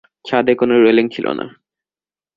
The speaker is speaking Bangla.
ছাদে কোনো রেলিং ছিল না!